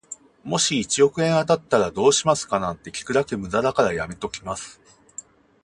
もし一億円当たったらどうしますかなんて聞くだけ無駄だからやめときます。